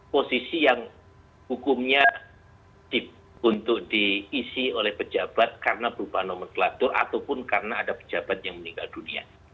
posisi yang hukumnya untuk diisi oleh pejabat karena berupa nomenklatur ataupun karena ada pejabat yang meninggal dunia